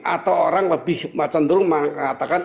atau orang lebih cenderung mengatakan